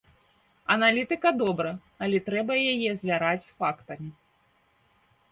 Аналітыка добра, але трэба яе звяраць з фактамі.